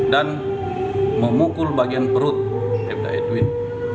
dan memukul bagian perut aibda edwin